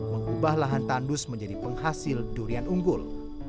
mengubah lahan tandus menjadi penghasil durian unggul